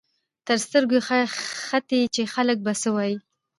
ته سترګې ختې چې خلک به څه وايي.